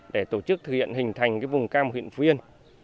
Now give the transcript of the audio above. để tổ chức thực hiện hình thành vùng cam huyện phú yên